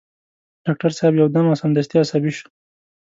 ډاکټر صاحب يو دم او سمدستي عصبي شو.